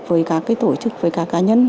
với các tổ chức với các cá nhân